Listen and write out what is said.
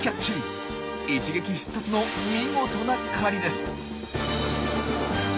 一撃必殺の見事な狩りです。